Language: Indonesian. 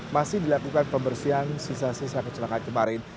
masih dilakukan pembersihan sisa sisa kecelakaan kemarin